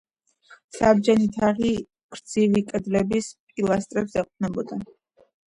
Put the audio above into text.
საბჯენი თაღი გრძივი კედლების პილასტრებს ეყრდნობა.